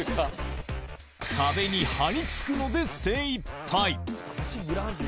壁に張り付くので精いっぱい。